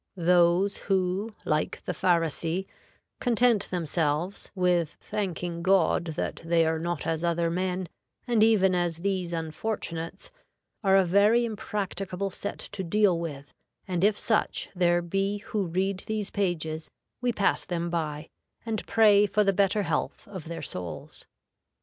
Those who, like the Pharisee, content themselves with thanking God that they are not as other men, and even as these unfortunates, are a very impracticable set to deal with, and if such there be who read these pages, we pass them by, and pray for the better health of their souls.